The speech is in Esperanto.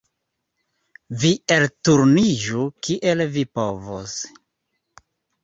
Vi elturniĝu kiel vi povos.